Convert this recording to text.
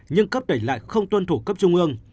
nhưng cấp tỉnh lại không tuân thủ cấp trung ương